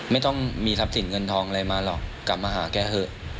ไม่ต้องมีทรัพย์สินเงินทองอะไรมาหรอกกลับมาหาแกเถอะ